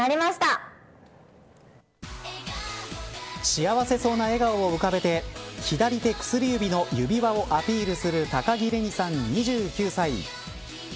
幸せそうな笑顔を浮かべて左手薬指の指輪をアピールする高城れにさん、２９歳。